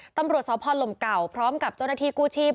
ตำรวจสพลมเก่าพร้อมกับเจ้าหน้าที่กู้ชีพ